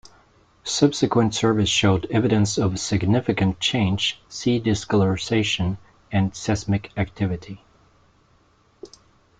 Subsequent surveys showed evidence of significant change - sea discolouration and seismic activity.